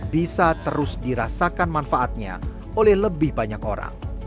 bisa terus dirasakan manfaatnya oleh lebih banyak orang